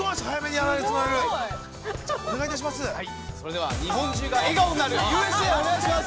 ◆はい、それでは日本中が笑顔になるＵＳＡをお願いします！